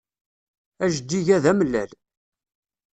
Ajeǧǧig-a d amellal.